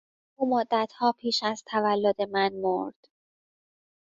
او مدتها پیش از تولد من مرد.